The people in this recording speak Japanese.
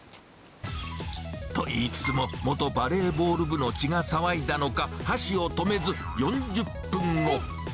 と言いつつも元バレーボール部の血が騒いだのか、箸を止めず、４０分後。